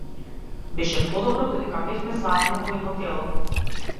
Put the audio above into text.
Беше подобро додека бевме заедно во едно тело.